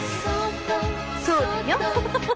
そうだよ。